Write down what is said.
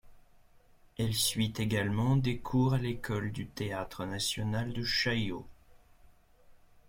Elle suit également des cours à l'école du théâtre national de Chaillot.